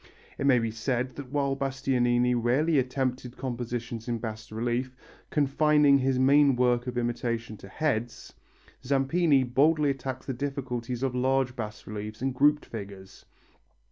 It may be said also that while Bastianini rarely attempted compositions in bas relief, confining his main work of imitation to heads, Zampini boldly attacks the difficulties of large bas reliefs and grouped figures.